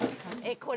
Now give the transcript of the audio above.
これ。